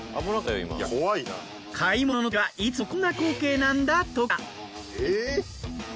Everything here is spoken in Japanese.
買い物のときはいつもこんな光景なんだとか。